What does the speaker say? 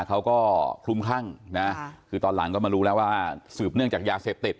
เขาก็คลุมคลั่งนะคือตอนหลังก็มารู้แล้วว่าสืบเนื่องจากยาเสพติด